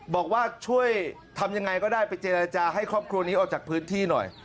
บอกว่าช่วยทำยังไงก็ได้ไปเจรจาให้ครอบครัวนี้ออกจากพื้นที่หน่อย